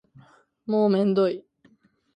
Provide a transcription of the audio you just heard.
もうめんどい